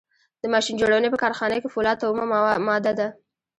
د ماشین جوړونې په کارخانه کې فولاد اومه ماده ده.